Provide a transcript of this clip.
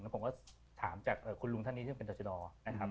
เพราะผมก็ถามจากคุณลุงท่านนี่ซึ่งเป็นทัชโดรนะครับ